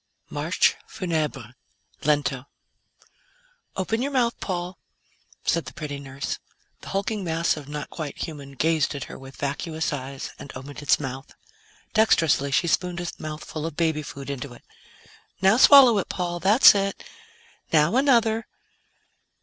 MARCHE FUNEBRE LENTO "Open your mouth, Paul," said the pretty nurse. The hulking mass of not quite human gazed at her with vacuous eyes and opened its mouth. Dexterously, she spooned a mouthful of baby food into it. "Now swallow it, Paul. That's it. Now another."